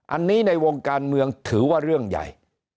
อันนี้ในวงการเมืองถือว่าเรื่องใหญ่